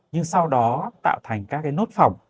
nhưng sau đó tạo thành các cái nốt phỏng